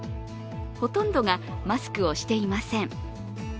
ほとんどがマスクをしていません。